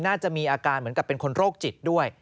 น่าจะมีอาการเหมือนกับเป็นคนโรคจิตด้วย